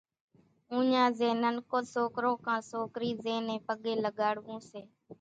اُوڃان زين ننڪو سوڪرو ڪان سوڪري زين نين پڳين لڳاڙوون سي۔